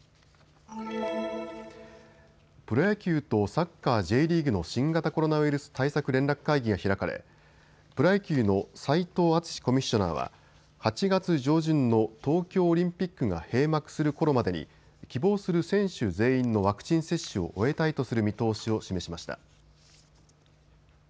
プロ野球とサッカーＪリーグの新型コロナウイルス対策連絡会議が開かれプロ野球の斉藤惇コミッショナーは８月上旬の東京オリンピックが閉幕するころまでに希望する選手全員のワクチン接種を終えたいとする見通しを示しました。